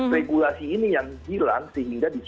regulasi ini yang hilang sehingga bisa